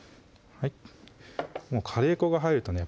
もうカレー粉が入るとね